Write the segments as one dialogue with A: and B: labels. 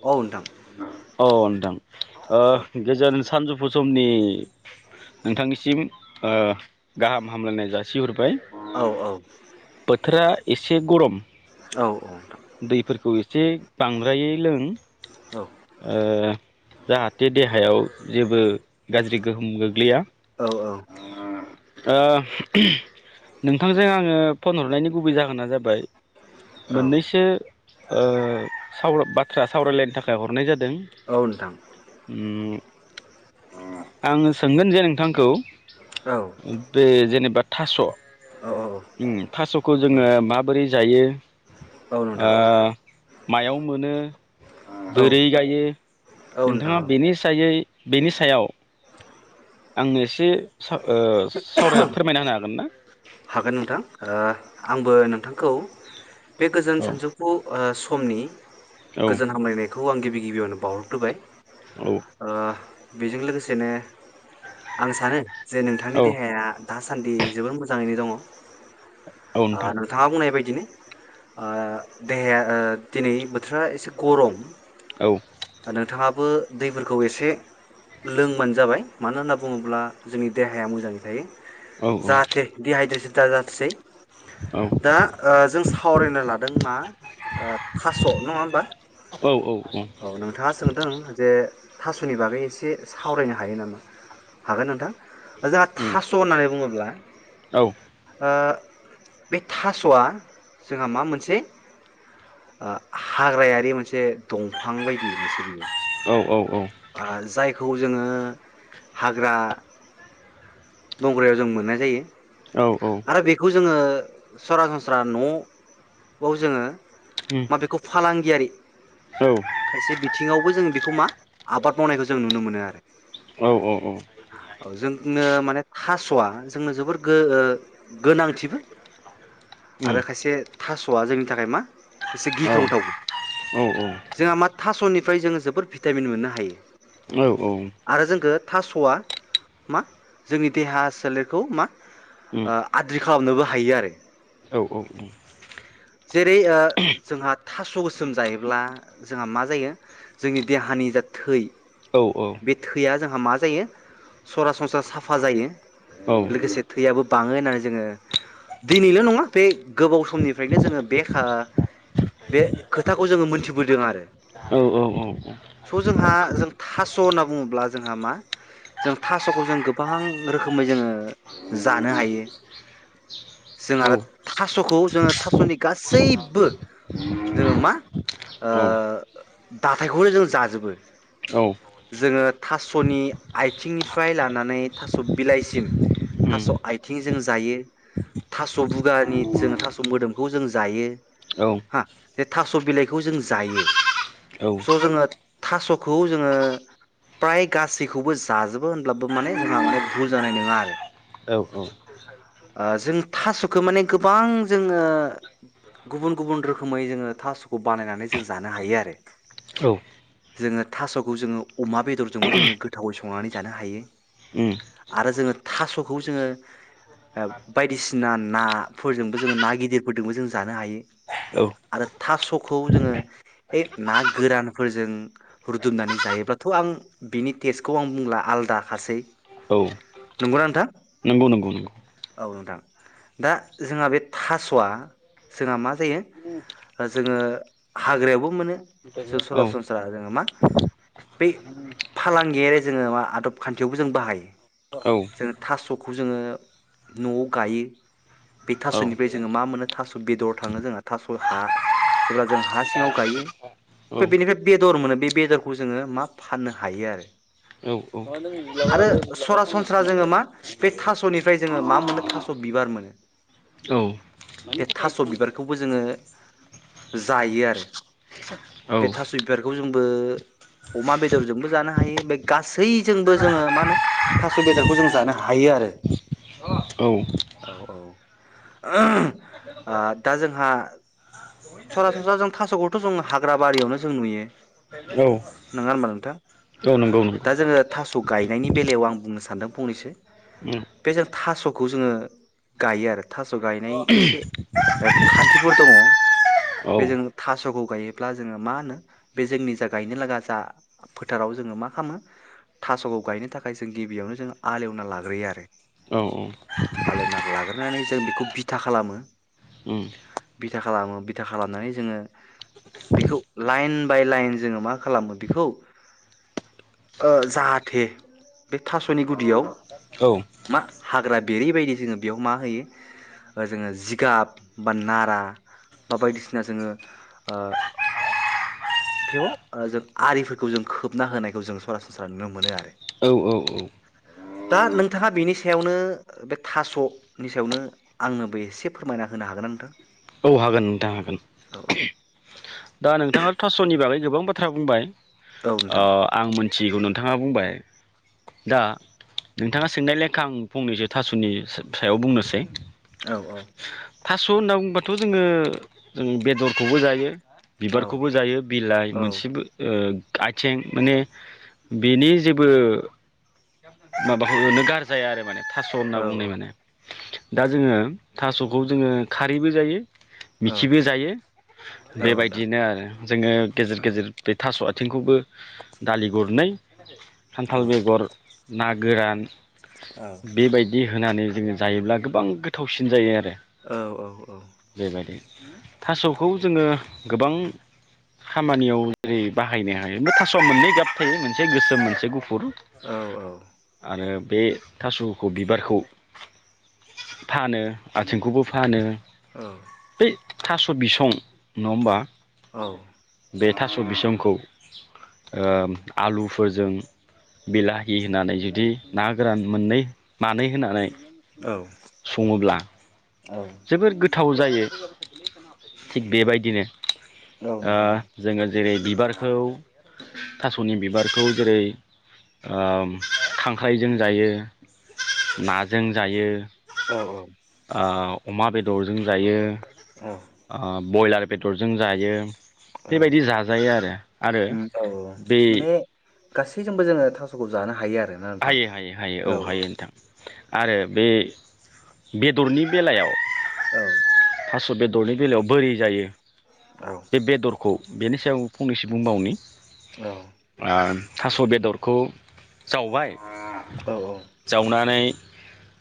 A: औ नोंथां
B: औ नोंथां ओ
A: औ
B: गोजोन सानजौ फु समनि नोंथांनिसिम ओ गाहाम हामलायनाय जासिहरबाय।
A: औ औ।
B: बोथोरा एसे गरम।
A: औ औ नोंथां।
B: जे बांद्रायै लों।
A: औ
B: ओ जाहाथे देहायाव जेबो गाज्रि गोहोम गोग्लैया।
A: औ औ।
B: ओ [unintelligible] नोंथांजों आङो फन हरनायनि गुबै जाहोना जाबाय
A: औ
B: मोननैसो ओ सावला बाथ्रा सावरायलायनो थाखाय हरनाय जादों। जों
A: औ नोंथां
B: उम। आङो सोंगोन जे नोंथांखौ
A: औ
B: बे जेनबा थास'
A: औ
B: उम थास'खौ जोङो माबोरै जायो? ओ
A: नोंथां
B: मायाव मोनो
A: औ
B: बोरै गायो?
A: औ नोंथां
B: नोंथाङा
A: औ
B: बेनि सायै बेनि सायाव आंनो एसे साव ओ सावराय फोरमायना होनो हागोन ना।
A: हागोन नोंथां ओ आंबो नोंथांखौ बे गोजोन
B: औ
A: सानजौखौ ओ स समनि
B: औ
A: गोजोन हामलायनाय बेखौ आं गिबि गिबियावनो बावहरग्रोबाय।
B: औ
A: ओ बेजों लोगोसेनो आं सानो जे नोंथांनि
B: औ
A: देहाया दासान्दि जोबोद मोजाङैनो दङ।
B: औ
A: ओ
B: नोंथां
A: नोंथाङा बुंनाय बायदि बिदिनो ओ देहाया ओ दिनै बोथोरा एसे गर'म।
B: औ
A: नोंथाङा बो दैफोरखौ एसे लोंबानो जाबाय मानो होनना बुङोब्ला जोंनि देहाया मोजाङै थायो।
B: औ
A: जाहाथे दिहायद्रेसन दाजाथोसै
B: औ
A: दा ओ जों सावरायनो लादों मा कास' नङा होमबा
B: औ औ
A: औ नोंथाङा सोंदों जे थास'नि बागै एसे सावरायनो हायो नामा हागोन नोंथां जोंहा
B: उम
A: थास' होननानै बुङोब्ला
B: औ।
A: ओ बे थास'आ जोंहा मा मोनसे ओ हाग्रायारि मोनसे दंफां बायदि मोनसे बियो।
B: औ औ औ उम
A: ओ जायख खौ जोङो हाग्रा बंग्रायाव जों मोननाय जायो।
B: औ औ।
A: आरो बेखौ जोङो सरासनस्रा न'आव जोङो मा बेखौ फालांगियारि खायसे बिथिङावबो जों बेखौ मा आबाद मावनायखौ जों नुनो मोनो आरो।
B: औ औ उम औ औ उम
A: जोंनो बे थास'आ जोंनो जोबोर गो ओ गोनांथिबो आरो खायसे थास'आ जोंनि थाखाय मा एसे
B: औ
A: गिख्रंथाव
B: औ औ
A: जोंहा मा थास'निफ्राय जोङो जोबोद भिटामिन मोननो हायो।
B: औ औ।
A: आरो जोंखो थास'आ मा जोंनि देहा सोलेरखौ मा ओ आद्रि खालामनोबो हायो आरो। जेरै ओ जोंहा थास' गोसोम जायोब्ला जोंहा मा जायो जोंनि देहानि जा थै
B: औ औ।
A: बे थैया जोंहा मा जायो? सरासनस्रा साफा जायो लोगोसे थैयाबो बाङो होननानै जोङो दिनैल' नङा बे गोबाव समनिफ्रायनो जोङो बे खा ओ बे खोथाखौ जोङो मोनथिबोदों आरो।
B: औ औ औ औ।
A: स' जोंहा जों थास' होनना बुंङोब्ला जोंहा मा जों थासखौ जों गोबां रोखोमै जोंङो जा नो हायो जों आरो थासखौ जोङो थास'नि गासैबो जोङो मा ओ
B: औ
A: दाथायखौनो जों जाजोबो
B: औ
A: जोङो थास'नि आइथिंनिफ्राय लानानै थास' बिलाइसिम
B: उम
A: थास' आइथिं जों जायो थास' बुगानि जों थास' मोदोमखौ जों जायो
B: औ
A: हो बे थास' बिलाइखौ जों जायो स' जोङो थास'खौ जोङो फ्राय गासैखौबो जाजोबो होनब्लाबो माने जोंहा माने भुल जानाय नङा आरो
B: औ
A: ओ जों थास'खौ माने गोबां जोङो गुबुन गुबुन रोखोमै जोङो थास'खौ बानायनानै जों जानो हायो आरो
B: औ
A: जोङो थास'खौ जोङो अमा बेदरजोंबो जोङो गोथावै संनानै जानो हायो
B: उम
A: आरो जोङो थास' खौ जोङो ओ बायदिसिना ना फोरजोंबो जोङो ना गिदिरफोरजोंबो जों जानो हायो
B: औ
A: आरो थास'खौ जोङो ए ना गोरानफोरजों रुदुमनानै जायोब्लाथ' आं बिनि टेस्टखौ आं बुंला आलादाखासै।
B: औ
A: नंगौना नोंथां?
B: नंगौ नंगौ नंगौ
A: औ नोंथां दा जोंहा बे थास'आ जोंहा मा जायो जोङो हाग्रायावबो मोनो जों
B: औ
A: सरासनस्रा जोङो मा बै फालांगियारि जोङो मा आदब खान्थियावबो जों बाहायो
B: औ
A: जों थास'खौ जोङो न'आव गायो बे
B: औ
A: थास'निफ्राय जोङो मा मोनो थास' बेदर थाङो जोंहा थास' हा जेब्ला जों हा सिङाव गायो ओमफ्राय बेनिफ्राय बेदर मोनो बे बेदरखौ जोङो मा फाननो हायो आरो
B: औ नंगौ उम औ उम औ
A: आरो सरासनस्रा जोङो मा बे थास'निफ्राय जोङो मा मोनो थास' बिबार मोनो बे थास' बिबारखौबो जोङो जायो आरो बे थास' बिबारखौ जोंबो अमा बेदरजोंबो जानो हायो बे गासैजोंबो जोङो मा होनो थास' बेदरखौ जों ज दानो हायो आरो
B: औ
A: औ औ, आ दा जोंहा सरासनस्रा जों थास'खौथ' जों हाग्रा बारियावनो जों नुयो नोङा होनबा नोंथां?
B: औ नंगौ।
A: दा जोङो थास' गायनायनि बेलायाव आं बुंनो सानदों फंनैसो बे जों थास'खौ जोङो गायो आरो थास' गायनायनि एसे खान्थिफोर दङ बे जोङो थास'खौ गायोब्ला जोङो मा होनो बे जोंनि जा गायनो लागा जा फोथाराव जोङो मा खालामो थास'खौ गायनो थाखाय जों गिबियावनो जों आलेवना लाग्रोयो आरो आलेवना लाग्रोनानै जों बेखौ बिथा खालामो बिथा खालामो था खालामनानै जोङो बेखौ लाइन बाय लाइन जोङो मा खालामो बेखौ ओ जाहाथे बे थास'नि गुदियाव मा हाग्रा बेरै बायदि जोङो बेयाव मा होयो जोङो जिगाब बा नारा बा बायदिसिना जोङो ओ बेव ओ जों आरिफोरखौ जों खोबना होनायखौ जों सरासनस्रा नुनो मोनो आरो दा नोंथाङा बेनि सायावनो बे थास'नि सायावनो आंनोबो एसे फोरमायना होनो हागोन ना नोंथां?
B: औ हागोन नोंथां हागोन।
A: औ औ
B: दा नोंथाङा थास'नि बागै गोबां बाथ्रा बुंबाय
A: औ
B: ओ
A: नोंथां
B: आं मिथिगौ नों नोंथाङा बुंबाय दा नोंथाङा सोंनाय लेखा आं फंनैसो थासुनि सायाव बुंनोसै
A: औ औ
B: थास' होनना बुंबाथ' जोङो जों बेदरखौबो जायो
A: औ
B: बिबारखौबो जायो बिलाइ मोनसेबो ओ आथिं माने बिनि जेबो माबाखौनो गार जाया आरो माने थास' होनना
A: औ
B: बुंनाय माने दा जोङो थास'खौ जोङो खारैबो जायो।
A: औ
B: मिखिबो जायो
A: नोंथां
B: बेबायदिनो आरो जोङो गेजेर
A: औ
B: गेजेर बे थास'आ थिंखौबो दालि गरनै
A: औ
B: खान्थाल बेगर ना गोरान
A: औ
B: बेबायदि होनानै जोङो जायोब्ला गोबां गोथावसिन जायो आरो
A: औ औ औ
B: बेबायदि थास'खौ जोङो गोबां खामानियाव जेरै बाहायनो हायो बे थास'आ मोननै गाब थायो मोनसे गोसोम मोनसे गुफुर
A: औ औ
B: ङो बे थास'खौ बिबारखौ फानो आथिंखौबो फानो
A: औ
B: बै थास' बिसं नङा होमबा बे थास' बिसंखौ ओ आलुफोरजों बिला हि होनानै जुदि ना गोरान मोननै मानै होनानै
A: औ
B: सङोब्ला
A: औ औ
B: जोबोद गोथ गोथाव जायो थिग बेबायदिनो ओ
A: नोंथां औ
B: जोङो जेरै बिबारखौ थास'नि बिबारखौ जेरै ओम खांख्राइजों जायो नाजों जायो
A: औ
B: [unintelligible] आव अमा बेदरजों जायो
A: औ
B: आह बइलार बेदरजों जायो।
A: औ
B: बेबायदि जाजायो आरो आरो
A: उम औ
B: बे
A: माने गासैजोंबो जोङो थास'खौ जानो हायो आरो
B: हायो हायो हायो औ हायो नोंथां। आरो बे बेदरनि बेलायाव
A: औ
B: थास' बेदरनि बेलायाव बोरै जायो
A: औ
B: बे बेदर खौ बेनि सायाव फंनैसो बुंबावनि
A: औ
B: आ थास' बेदरखौ जावबाय
A: औ औ
B: जावनानै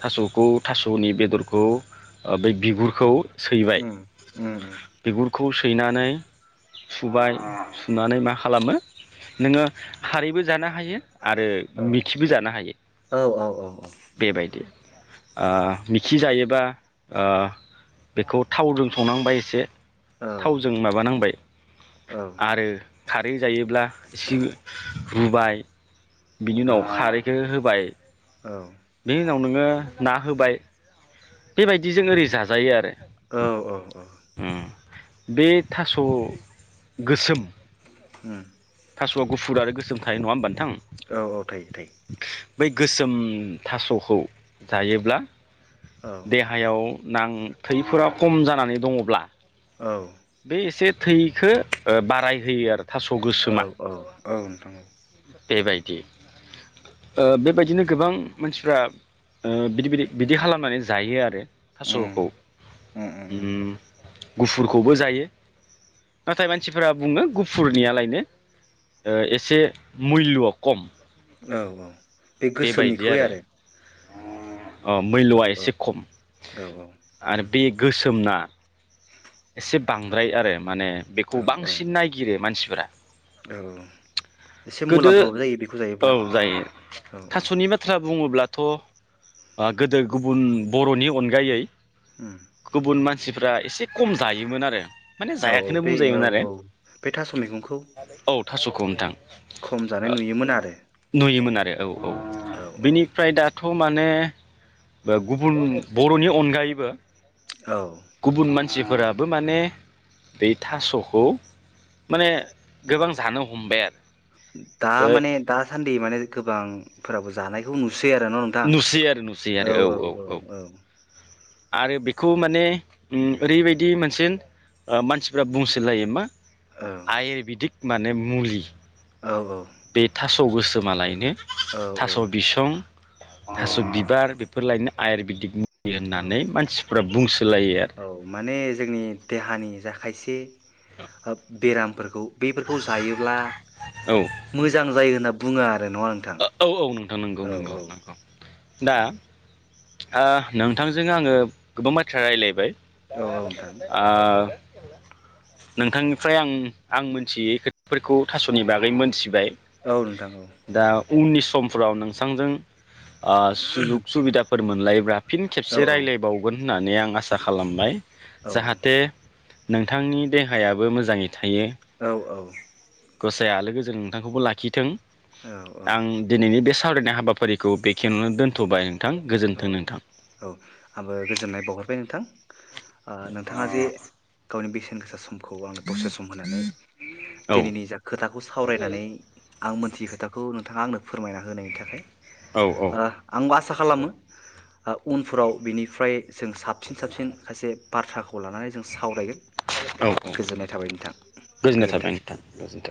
B: थास'खौ थास'नि बेदरखौ ओ बै बिगुरखौ सैबाय
A: उम उम उम
B: बिगुरखौ खौ सैनानै सुबाय सुनानै मा खालामो नोङो खारैबो जानो हायो आरो
A: औ
B: मिथिबो जानो हायो
A: औ औ औ
B: बेबायदि ओ मिखि जायोब्ला ओ बेखौ थावजों संनांबाय एसे
A: औ
B: थावजों माबानांबाय आरो खारै जायोब्ला एसे रुबाय बिनि
A: औ
B: उनाव खारैखौ होब बाय
A: औ
B: बे उनाव नोङो ना होबाय बेबायदिजों ओरै जाजायो आरो
A: औ औ औ
B: उम बे थास' गोसोम।
A: [unintelligible]
B: थास' गुुफुर आरो गोसोम थायो नङा होनबा नों
A: औ औ थायो थायो।
B: बै गोसोम थास'खौ जायोब्ला।
A: औ
B: देहायाव। नां थैफोरा खम जानानै दङब्ला।
A: औ।
B: बे एसे थैखो ओ बारायहोयो आरो। थास'
A: औ
B: गोसोमा
A: औ औ नोंथां।
B: बेबायदि ओ बेबायदिनो गोबां मानसिफ्रा ओ बिदि बिदि बिदि खालामनानै जायो आरो।
A: उम
B: थास'खौ उम। गुफुर खौबो जायो नाथाय मानसिफोरा बुङो गुफुरनियालायनो ओ एसे मुल्यआ खम।
A: औ औ बे गोसोमनिख्रुइ आरो।
B: अ
A: औ
B: मुल्यआ
A: औ
B: एसे खम
A: औ
B: आरो बे गोसोमना। एसे बांद्राय आरो। माने बेखौ
A: औ औ
B: बांसिन नायगिरो मानसि फोरा।
A: औ एसे मुलाम्फाबो जायो बेखौ
B: औ
A: जायोब्ला
B: जायो
A: औ औ
B: थ' आ गोदो गुबुन बर'नि अनगायै।
A: उम
B: गुबुन मान मानसिफ्रा एसे खम जायोमोन आरो माने
A: औ औ
B: जायाखोनो
A: बे औ
B: बुंजायोमोन आरो
A: औ बे थास' मैगंखौ
B: औ थास'खौ नोंथां
A: खम जानाय
B: ओ
A: नुयोमोन आरो
B: नुयोमोन आरो बे औ। औ
A: औ औ
B: बिनिफ्राय दाथ' खौ माने गुबुन बर'नि अनगायैबो
A: औ
B: गुबुन मानसिफोराबो माने बै थास'खौ माने गोबां जानो हमबाय आरो
A: दा माने दासान्दि माने गोबांफोराबो जानायखौ नु सै आरो न' नोंथां
B: नुसै आरो नुसै
A: औ
B: आरो
A: औ औ औ
B: आरो बेखौ माने उम ओरैबायदि मोनसे ओ मानसिफ्रा बुंसोलायो मा
A: औ
B: आयेरबिदिक माने मुलि
A: औ औ
B: स' गोसोमालायनो थास' बिसं,
A: औ
B: थास' बिबार, बे फोरलायनो आयुर्वेदिक मु मुलि
A: औ
B: होननानै मानसिफ्रा बुंसोलायो आरो।
A: औ माने जोंनि देहानि जा खायसे ओ बेरामफोरखौ बेफोरखौ जायोब्ला मोजां जायो होनना बुङो आ
B: ओ औ औ नोंथां नंगौ नंगौ नंगौ। दा ओ नोंथांजों आङो गोबां बाथ्रा रायलायबाय
A: औ नोंथां
B: आ नोंथांनिफ्राय आं आं मिथियै खोथाफोरखौ थासनि बागै मोनथिबाय।
A: औ नोंथां औ।
B: दा उननि समफोराव नोंसांजों आ सुजुख सुबिदा फोर मोनलायोब्ला फिन
A: औ
B: खेबसे
A: औ
B: रायलायबावगोन होननानै आं आसा खालामबाय।
A: औ
B: जाहाथे नोंथांनि देहायाबो मोजाङै थायो
A: औ औ।
B: गसाया आलो गोजोन नोंथांखौबो लाखिथों।
A: औ
B: आं दिनैनि बेस सावरायनाय हाबाफारिखौ बेखेयावनो दोनथबाय नोंथां
A: औ
B: गोजोन्थों नोंथां
A: औ आंबो गोजोननाय बावहरबाय नोंथां। ओ नोंथाङा जे गावनि बेसेन गोसा सम खौ आंनो दसे सम होनानै
B: औ
A: दिनैनि जा खोथाखौ सावरायनानै आं मोन थियि खोथाखौ नोंथाङा आंनो फोरमायना होनायनि थाखाय।
B: औ औ
A: ओ आंबो आसा खालामो ओ उनफोराव बिनिफ्राय जों साबसिन साबसिन खायसे बाथ्राखौ लानानै जों सावरायगोन
B: औ
A: गोजोननाय थाबाय नोंथां
B: गोजोननाय थाबाय
A: गोजोन्थों।
B: नोंथां गोजोन्थों